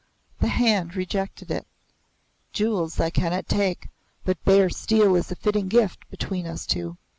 The hand rejected it. "Jewels I cannot take, but bare steel is a fitting gift between us two."